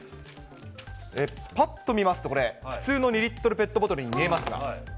ぱっと見ますと、これ、普通の２リットルペットボトルに見えますが。